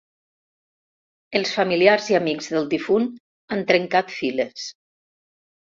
Els familiars i amics del difunt han trencat files.